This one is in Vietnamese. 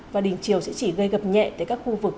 và đỉnh chiều sẽ chỉ gây gập nhẹ tại các khu vực